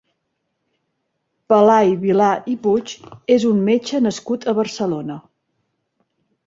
Pelai Vilar i Puig és un metge nascut a Barcelona.